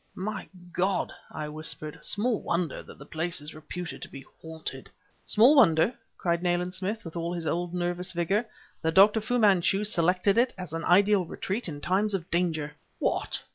"My God!" I whispered "small wonder that the place is reputed to be haunted!" "Small wonder," cried Nayland Smith, with all his old nervous vigor, "that Dr. Fu Manchu selected it as an ideal retreat in times of danger!" "What!